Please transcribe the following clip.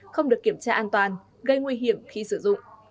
không được kiểm tra an toàn gây nguy hiểm khi sử dụng